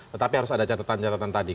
tetapi harus ada catatan catatan tadi